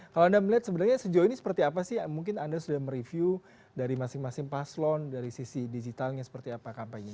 kalau anda melihat sebenarnya sejauh ini seperti apa sih mungkin anda sudah mereview dari masing masing paslon dari sisi digitalnya seperti apa kampanyenya